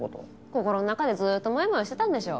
心の中でずーっとモヤモヤしてたんでしょ。